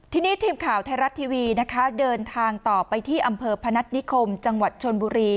ทีนี้ทีมข่าวไทยรัฐทีวีนะคะเดินทางต่อไปที่อำเภอพนัฐนิคมจังหวัดชนบุรี